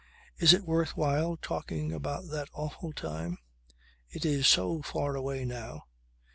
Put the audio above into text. "Is it worth while talking about that awful time? It is so far away now."